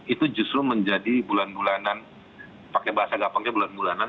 itu justru menjadi bulan bulanan pakai bahasa gampangnya bulan bulanan